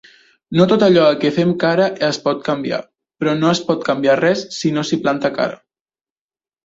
No tot allò a què fem cara es pot canviar, però no es pot canviar res si no s'hi planta cara.